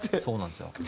そうなんですよ。